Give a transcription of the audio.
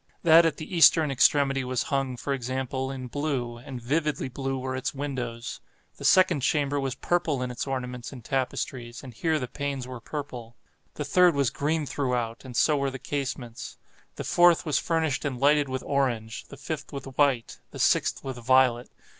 That at the eastern extremity was hung, for example, in blue—and vividly blue were its windows. The second chamber was purple in its ornaments and tapestries, and here the panes were purple. The third was green throughout, and so were the casements. The fourth was furnished and lighted with orange—the fifth with white—the sixth with violet.